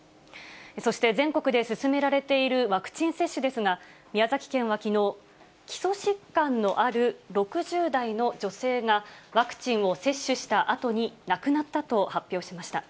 そして全国で進められているワクチン接種ですが、宮崎県はきのう、基礎疾患のある６０代の女性が、ワクチンを接種したあとに亡くなったと発表しました。